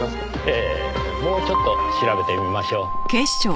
ええもうちょっと調べてみましょう。